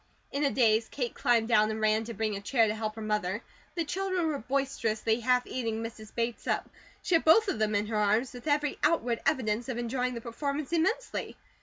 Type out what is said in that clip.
In a daze Kate climbed down, and ran to bring a chair to help her mother. The children were boisterously half eating Mrs. Bates up; she had both of them in her arms, with every outward evidence of enjoying the performance immensely.